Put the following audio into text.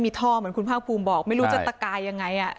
มีท่อเหมือนคุณภาคภูมิบอกไม่รู้จะตะกายยังไง